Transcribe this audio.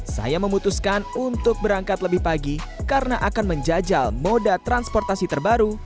saya memutuskan untuk berangkat lebih pagi karena akan menjajal moda transportasi terbaru